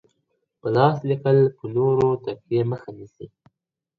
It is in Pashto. په لاس لیکل پر نورو د تکیې مخه نیسي.